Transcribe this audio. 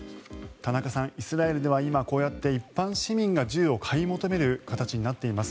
田中さん、イスラエルでは今こうやって一般市民が銃を買い求める形になっています。